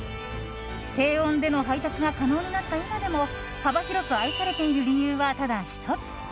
低温での配達が可能になった今でも幅広く愛されている理由はただ１つ。